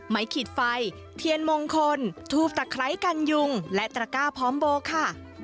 ขีดไฟเทียนมงคลทูบตะไคร้กันยุงและตระก้าพร้อมโบค่ะ